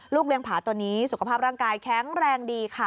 เลี้ยงผาตัวนี้สุขภาพร่างกายแข็งแรงดีค่ะ